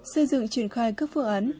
xây dựng triển khai các phương án